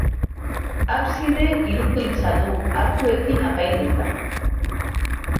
Abside hirukoitza du, arkuekin apainduta.